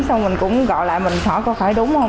xong mình cũng gọi lại mình hỏi có phải đúng không